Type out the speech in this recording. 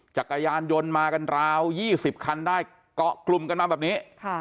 จักรยานยนต์มากันราว๒๐คันได้เกาะกลุ่มกันมาแบบนี้